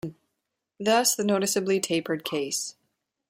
Thus the noticeably tapered case.